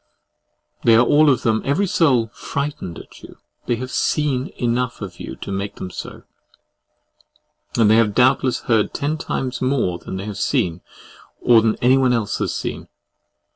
They are all of them, every soul, frightened at you; they have SEEN enough of you to make them so; and they have doubtless heard ten times more than they have seen, or than anyone else has seen.